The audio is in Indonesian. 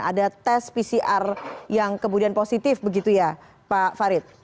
ada tes pcr yang kemudian positif begitu ya pak farid